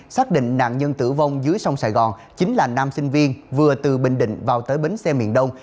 xác định nạn nhân tử vong dưới sông sài gòn chính là nam sinh viên vừa từ bình định vào tới bến xe miền đông